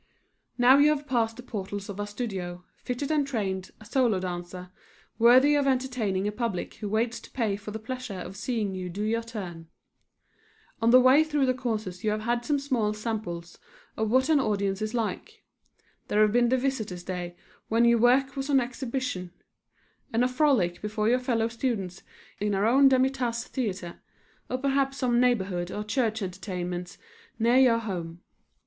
Now you have passed the portals of our studio, fitted and trained, a solo dancer, worthy of entertaining a public who waits to pay for the pleasure of seeing you do your turn. On the way through the courses you have had some small samples of what an audience is like. There have been the visitors' days when your work was on exhibition, and a Frolic before your fellow students in our own Demi Tasse Theatre, or perhaps some neighborhood or church entertainments near your home.